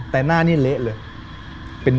แต่หน้านี่เละเลย